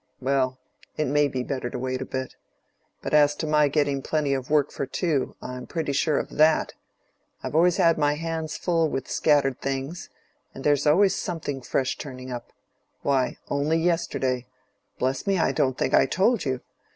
"Well, it may be better to wait a bit. But as to my getting plenty of work for two, I'm pretty sure of that. I've always had my hands full with scattered things, and there's always something fresh turning up. Why, only yesterday—bless me, I don't think I told you!